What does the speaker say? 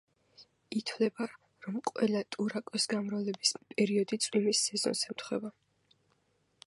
ითვლება, რომ ყველა ტურაკოს გამრავლების პერიოდი წვიმის სეზონს ემთხვევა.